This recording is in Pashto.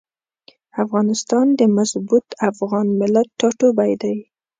افغانستان د مضبوط افغان ملت ټاټوبی شي.